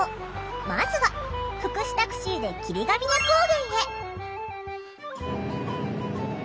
まずは福祉タクシーで霧ヶ峰高原へ。